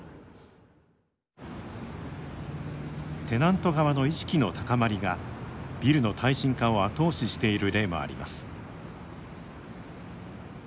テナント側の意識の高まりがビルの耐震化を後押ししている例もあります。